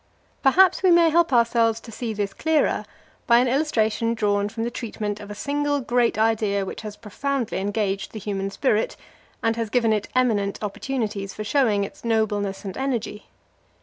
Perhaps we may help ourselves to see this clearer by an illustration drawn from the treatment of a single great idea which has profoundly engaged the human spirit, and has given it eminent opportunities for showing its nobleness and energy.